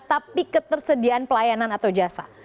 tapi ketersediaan pelayanan atau jasa